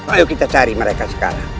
ayo kita cari mereka sekarang